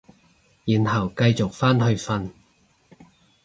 然後繼續返去瞓